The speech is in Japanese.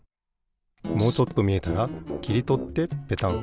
もうちょっとみえたらきりとってペタン。